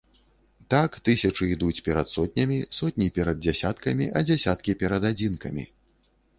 Так, тысячы ідуць перад сотнямі, сотні перад дзясяткамі, а дзясяткі перад адзінкамі.